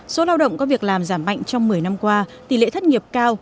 số lao động có việc làm giảm mạnh trong một mươi năm qua tỷ lệ thất nghiệp cao